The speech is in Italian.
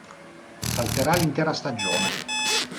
Salterà l'intera stagione.